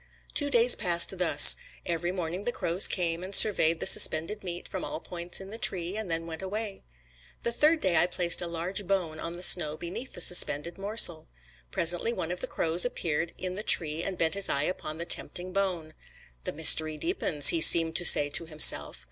Two days passed thus: every morning the crows came and surveyed the suspended meat from all points in the tree, and then went away. The third day I placed a large bone on the snow beneath the suspended morsel. Presently one of the crows appeared in the tree, and bent his eye upon the tempting bone. "The mystery deepens," he seemed to say to himself.